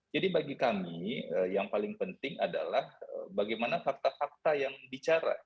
bagi kami yang paling penting adalah bagaimana fakta fakta yang bicara